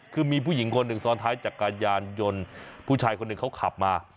คือมีผู้หญิงคนหนึ่งซ้อนท้ายจักรยานยนต์ผู้ชายคนหนึ่งเขาขับมา